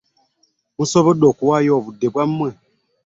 Musobodde okuwaayo obudde bwammwe.